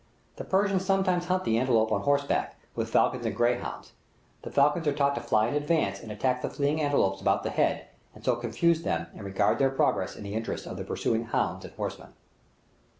The Persians sometimes hunt the antelope on horseback, with falcons and greyhounds; the falcons are taught to fly in advance and attack the fleeing antelopes about the head, and so confuse them and retard their progress in the interest of the pursuing hounds and horsemen.